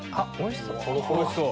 おいしそう！